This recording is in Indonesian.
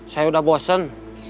saya udah bosen